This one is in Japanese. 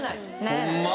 ホンマ？